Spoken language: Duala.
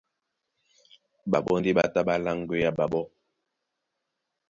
Ɓaɓɔ́ ndé ɓá tá ɓá láŋgwea ɓaɓó.